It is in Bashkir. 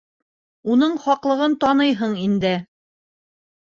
Уның хаҡлығын таныйһың инде.